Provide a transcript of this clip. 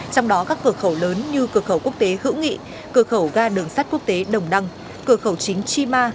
trong đó các cửa khẩu lớn như cửa khẩu quốc tế hữu nghị cửa khẩu ga đường sắt quốc tế đồng đăng cửa khẩu chính chi ma